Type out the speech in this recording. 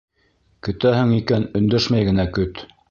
Көтәһең икән, өндәшмәй генә көт.